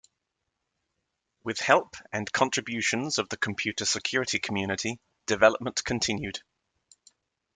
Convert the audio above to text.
With help and contributions of the computer security community, development continued.